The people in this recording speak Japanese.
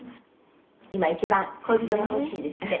「今一番恋人が欲しいですって。